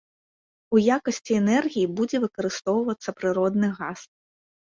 У якасці энергіі будзе выкарыстоўвацца прыродны газ.